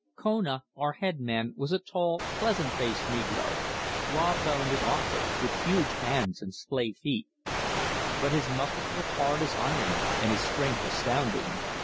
Kona, our headman, was a tall, pleasant faced negro, raw boned and awkward, with huge hands and splay feet, but his muscles were hard as iron and his strength astounding.